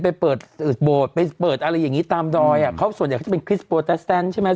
ไปเปิดโบสถ์ไปเปิดอะไรอย่างงี้ตามดอยอ่ะเขาส่วนใหญ่เขาจะเป็นคริสโปรตัสแตนใช่ไหม